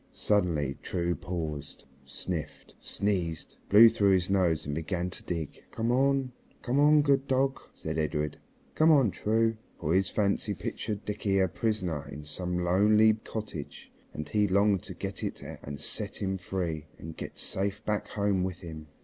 Suddenly True paused, sniffed, sneezed, blew through his nose and began to dig. "Come on, come on, good dog," said Edred, "come on, True," for his fancy pictured Dickie a prisoner in some lonely cottage, and he longed to get to it and set him free and get safe back home with him.